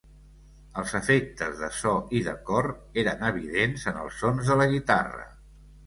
Els efectes de so i de cor eren evidents en els sons de la guitarra.